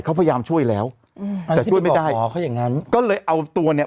เขาพยายามช่วยแล้วอืมแต่ช่วยไม่ได้อ๋อเขาอย่างงั้นก็เลยเอาตัวเนี้ย